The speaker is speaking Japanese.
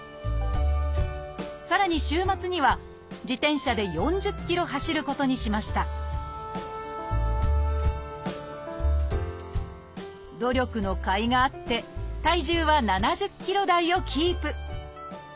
さらに週末には自転車で４０ｋｍ走ることにしました努力のかいがあって体重は７０ｋｇ台をキープ。